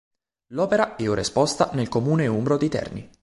L'opera è ora esposta nel comune umbro di Terni.